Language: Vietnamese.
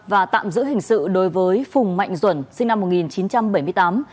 và tạm giữ hình sự đối với phùng mạnh duẩn sinh năm một nghìn chín trăm bảy mươi tám